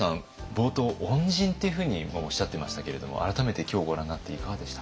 冒頭恩人っていうふうにもおっしゃってましたけれども改めて今日ご覧になっていかがでしたか？